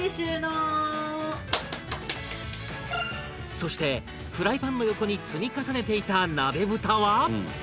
そしてフライパンの横に積み重ねていた鍋ぶたは